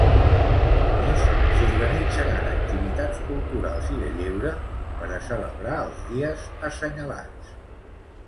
A més, s'organitzaran activitats culturals i de lleure per a celebrar els dies assenyalats.